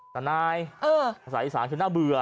แต่นายภาษาอีสานคือน่าเบื่อ